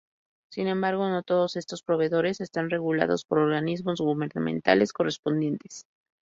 Sin embargo, no todos estos proveedores están regulados por organismos gubernamentales correspondientes.